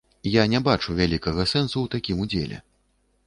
Я не бачу вялікага сэнсу ў такім удзеле.